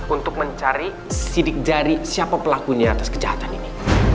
untuk mencari sidik jari siapa pelakunya atas kejahatan ini